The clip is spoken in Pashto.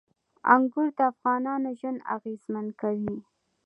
انګور د افغانانو ژوند اغېزمن کوي.